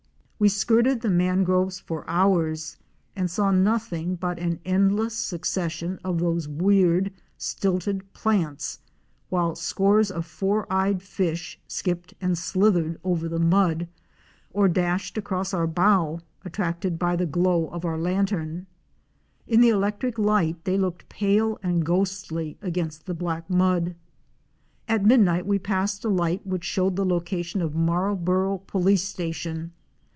We skirted the mangroves for hours and saw nothing but an endless succession of those weird stilted plants, while scores of four eyed fish skipped and slithered over the mud, or dashed across our bow, attracted by the glow of our lan tern. In the electric light they looked pale and ghostly against the black mud. At midnight we passed a light which showed the location of Marlborough Police Station.